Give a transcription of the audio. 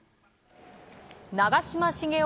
長嶋茂雄